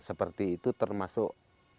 seperti itu termasuk